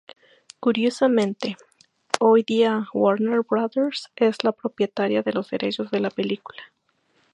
Curiosamente, hoy día Warner Brothers es la propietaria de los derechos de la película.